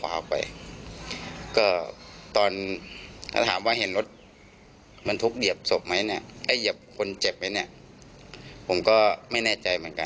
มาถ้าถามว่ามีรถมีแบบสมดิมนี่ก็ว่าคงไม่เห็นนะคะ